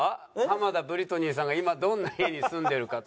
浜田ブリトニーさんが今どんな家に住んでるか。